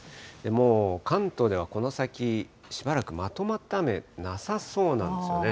もう関東ではこの先、しばらくまとまった雨なさそうなんですよね。